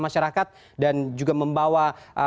masyarakat dan juga membawa